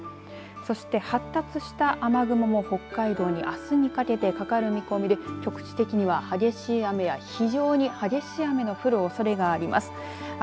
そして発達した雨雲も北海道にあすにかけてかかる見込みで局地的には激しい雨や非常に激しい雨の降るおそれがあります。